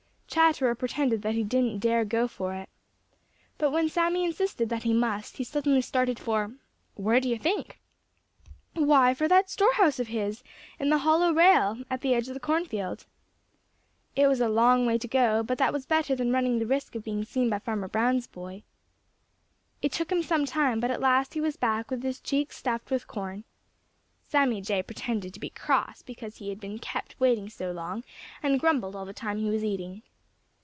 Chatterer pretended that he didn't dare go for it, but when Sammy insisted that he must, he suddenly started for—where do you think? Why, for that store house of his in the hollow rail at the edge of the cornfield. It was a long way to go, but that was better than running the risk of being seen by Farmer Brown's boy. It took him some time, but at last he was back with his cheeks stuffed with corn. Sammy Jay pretended to be cross because he had been kept waiting so long and grumbled all the time he was eating.